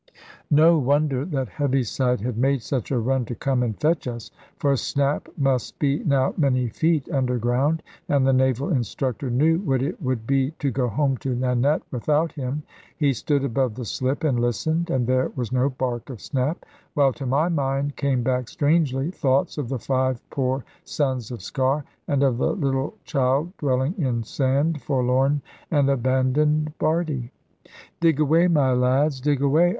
No wonder that Heaviside had made such a run to come and fetch us. For Snap must be now many feet underground, and the Naval Instructor knew what it would be to go home to Nanette without him. He stood above the slip and listened, and there was no bark of Snap; while to my mind came back strangely thoughts of the five poor sons of Sker, and of the little child dwelling in sand, forlorn and abandoned Bardie. "Dig away, my lads, dig away!"